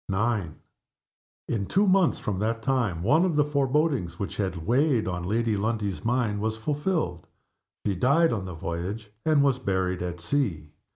IX. In two months from that time one of the forebodings which had weighed on Lady Lundie's mind was fulfilled. She died on the voyage, and was buried at sea.